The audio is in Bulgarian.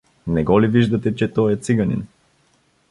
Не го ли виждате, че той е циганин?